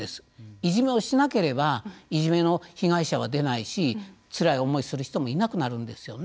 いじめをしなければいじめの被害者は出ないしつらい思いをする人もいなくなるんですよね。